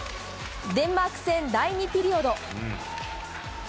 デンマーク戦第２ピリオド。